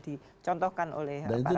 dicontohkan oleh para pemimpin